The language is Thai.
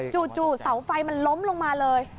จู่เสาไฟมันล้มลงมาเลย